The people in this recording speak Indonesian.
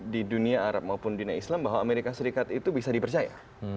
di dunia arab maupun dunia islam bahwa amerika serikat itu bisa dipercaya